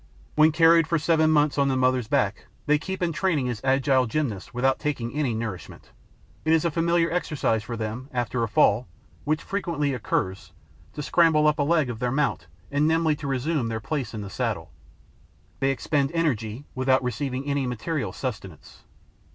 When carried for seven months on the mother's back, they keep in training as agile gymnasts without taking any nourishment. It is a familiar exercise for them, after a fall, which frequently occurs, to scramble up a leg of their mount and nimbly to resume their place in the saddle. They expend energy without receiving any material sustenance.